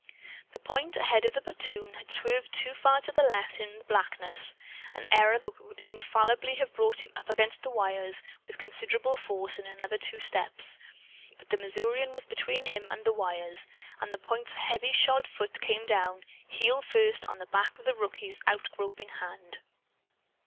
The point, ahead of the platoon, had swerved too far to the left, in the blackness an error that would infallibly have brought him up against the wires, with considerable force, in another two steps. But the Missourian was between him and the wires. And the point's heavy shod foot came down, heel first, on the back of the rookie's out groping hand.